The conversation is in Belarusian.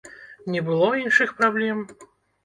Не было іншых праблем?